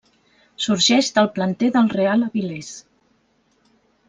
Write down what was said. Sorgeix del planter del Real Avilés.